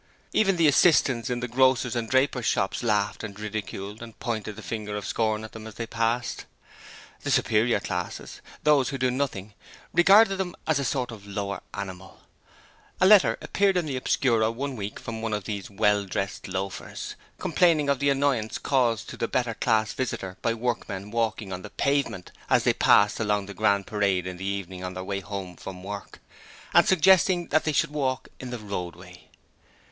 Even the assistants in the grocers' and drapers' shops laughed and ridiculed and pointed the finger of scorn at them as they passed. The superior classes those who do nothing regarded them as a sort of lower animals. A letter appeared in the Obscurer one week from one of these well dressed loafers, complaining of the annoyance caused to the better class visitors by workmen walking on the pavement as they passed along the Grand Parade in the evening on their way home from work, and suggesting that they should walk in the roadway.